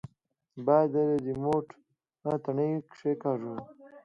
بايد د ريموټ تڼۍ کښېکاږو.